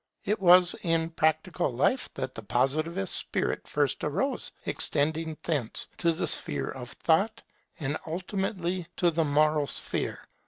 It was in practical life that the Positive spirit first arose, extending thence to the sphere of thought, and ultimately to the moral sphere.